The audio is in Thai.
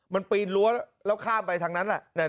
มันปีนรั้วแล้วข้ามไปทางนั้นแหละ